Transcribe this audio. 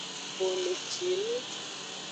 Bomecinu.